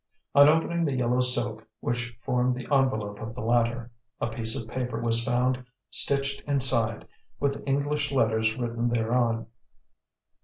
On opening the yellow silk which formed the envelope of the latter, a piece of paper was found stitched inside, with English letters written thereon.